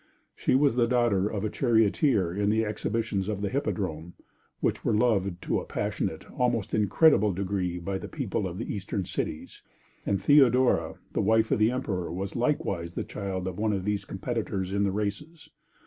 She was the daughter of a charioteer in the exhibitions of the hippodrome, which were loved to a passionate, almost incredible degree, by the people of the Eastern cities; and Theodora, the wife of the emperor was likewise the child of one of these competitors in the races.